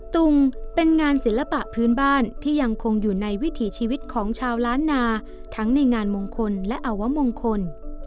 ตุงเป็นงานศิลปะพื้นบ้านที่ยังคงอยู่ในวิถีชีวิตของชาวล้านนาทั้งในงานมงคลและอวมงคล